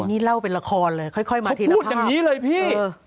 นี่เล่าเป็นละครเลยค่อยมาทีละคนอย่างนี้เลยพี่